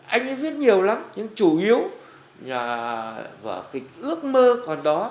anh ấy viết nhiều lắm nhưng chủ yếu là vợ kịch ước mơ còn đó